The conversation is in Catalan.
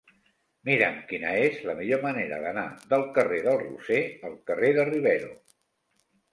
Mira'm quina és la millor manera d'anar del carrer del Roser al carrer de Rivero.